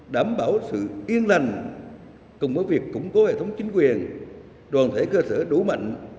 đảm bảo sự yên lành cùng với việc củng cố hệ thống chính quyền đoàn thể cơ sở đủ mạnh